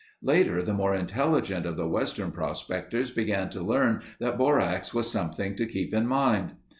Later the more intelligent of the western prospectors began to learn that borax was something to keep in mind.